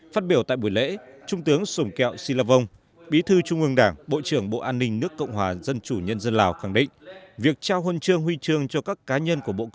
phát biểu tại buổi lễ trung tướng sổm kẹo si la vong bí thư trung ương đảng bộ trưởng bộ an ninh nước cộng hòa dân chủ nhân dân lào khẳng định